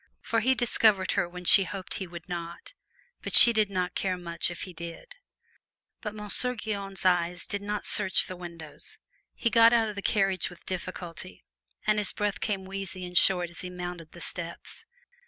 For he discovered her when she hoped he would not, but she did not care much if he did. But Monsieur Guyon's eyes did not search the windows. He got out of the carriage with difficulty, and his breath came wheezy and short as he mounted the steps.